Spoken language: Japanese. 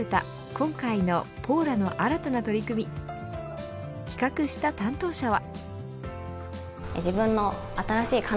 今回のＰＯＬＡの新たな取り組み企画した担当者は。